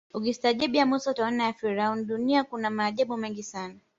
ukistaajabu ya Musa utayaona ya Firauni duniani kuna maajabu mengi sana